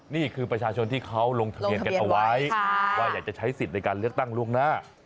นี่คือประชาชนที่เขาลงทะเบียนกันเอาไว้ว่าอยากจะใช้สิทธิ์ในการเลือกตั้งล่วงหน้า